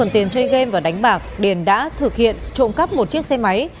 trên chơi game và đánh bạc điền đã thực hiện trộm cắp một chiếc xe máy